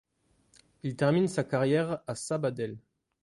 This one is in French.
Il termine sa carrière à Sabadell.